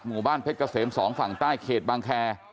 หมู่บ้านเพชรเกษม๒ฝั่งใต้เขตบางแค